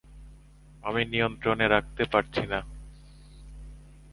আমি নিয়ন্ত্রণে রাখতে পারছি না।